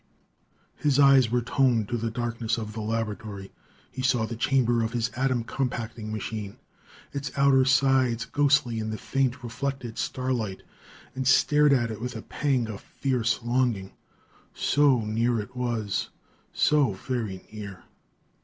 His eyes were toned to the darkness of the laboratory; he saw the chamber of his atom compacting machine, its outer sides ghostly in the faint, reflected starlight, and stared at it with a pang of fierce longing. So near, it was so very near!